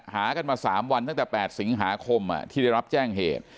หากันมา๓วันตั้งแต่๘สิงหาคมที่ได้รับแจ้งเหตุ